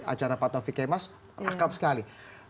acara pak taufik kemas akrab sekali